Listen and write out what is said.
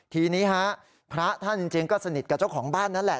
ทีนี้ฮะพระท่านจริงก็สนิทกับเจ้าของบ้านนั่นแหละ